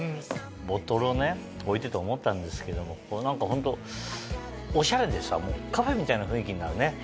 ボトルをね置いてて思ったんですけども何かホントオシャレでさカフェみたいな雰囲気になるね。